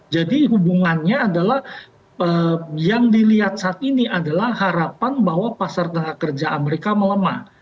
hubungannya adalah yang dilihat saat ini adalah harapan bahwa pasar tenaga kerja amerika melemah